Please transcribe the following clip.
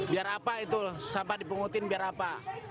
biar apa itu sampah dipungutin biar apa